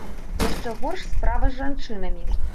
Яшчэ горш справа з жанчынамі.